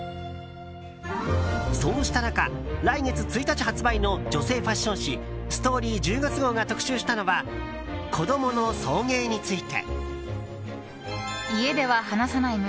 そうした中、来月１日発売の女性ファッション誌「ＳＴＯＲＹ」１０月号が特集したのは子供の送迎について。